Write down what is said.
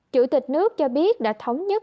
chủ tịch nước cho biết đã thống nhất